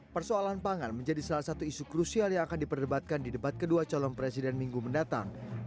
persoalan pangan menjadi salah satu isu krusial yang akan diperdebatkan di debat kedua calon presiden minggu mendatang